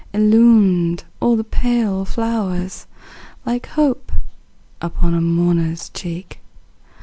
Illumined all the pale flowers, Like hope upon a mourner's cheek.